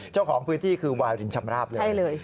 เจ้าของพื้นที่คือวารินชำราบเลย